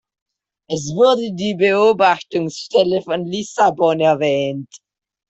Es wurde die Beobachtungsstelle von Lissabon erwähnt.